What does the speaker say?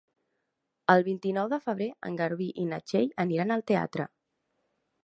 El vint-i-nou de febrer en Garbí i na Txell aniran al teatre.